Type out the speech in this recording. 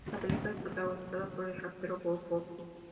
La película es protagonizada por el rapero Bow Wow.